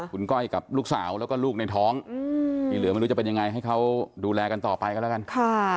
คุณก้อยกับลูกสาวแล้วก็ลูกในท้องที่เหลือไม่รู้จะเป็นยังไงให้เขาดูแลกันต่อไปกันแล้วกัน